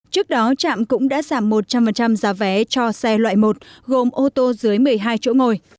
trước đó trạm cũng đã giảm một trăm linh giá vé cho xe loại một gồm ô tô dưới một mươi hai chỗ ngồi